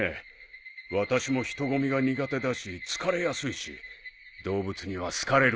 私も人混みが苦手だし疲れやすいし動物には好かれる方です。